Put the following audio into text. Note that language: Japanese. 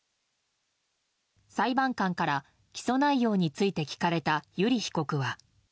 裁判官から起訴内容について聞かれた油利被告は。